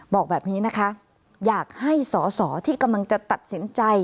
บอกแบบนี้นะคะอยากให้สอสอที่กำลังจะตัดสินใจ